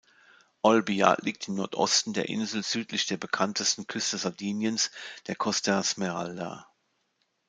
Olbia liegt im Nordosten der Insel südlich der bekanntesten Küste Sardiniens, der Costa Smeralda.